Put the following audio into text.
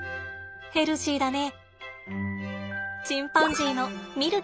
ヘルシーだね。